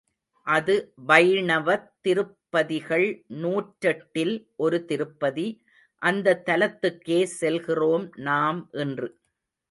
அது வைணவத் திருப்பதிகள் நூற்றெட்டில் ஒரு திருப்பதி, அந்தத் தலத்துக்கே செல்கிறோம் நாம் இன்று.